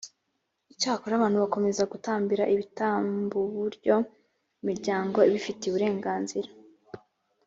icyakora abantu bakomeza gutambira ibitambuburyo imiryango ibifitiye uburenganzira